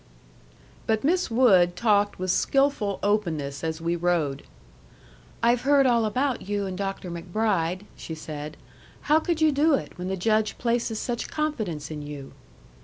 But Miss Wood talked with skilful openness as we rode. "I've heard all about you and Dr. MacBride," she said. "How could you do it, when the Judge places such confidence in you?"